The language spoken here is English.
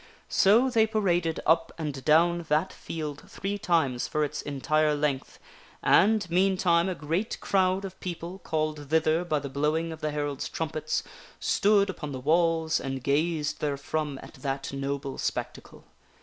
So they paraded up and down that field three times for its entire length, and, meantime, a great crowd of people, called thither by the blowing of the herald's trumpets, stood upon the walls and gazed therefrom at that noble spectacle.